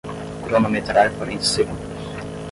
Cronometrar quarenta segundos